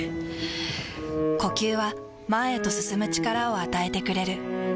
ふぅ呼吸は前へと進む力を与えてくれる。